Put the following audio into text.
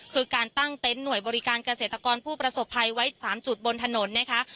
คือการตั้งเต็นต์หน่วยบริการเกษตรกรผู้ประสบภัยไว้๓จุดบนถนนนะคะ